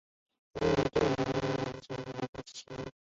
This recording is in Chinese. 自由对流云通常在的高度形成。